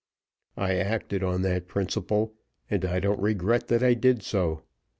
I acted on that principle, and I don't regret that I did so.